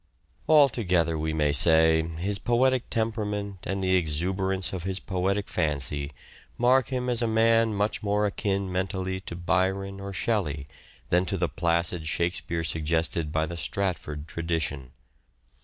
Altogether we may say his poetic temperament and the exuberance of his poetic fancy mark him as a man much more akin mentally to Byron or Shelley than to the placid Shakespeare suggested by the Stratford tradition.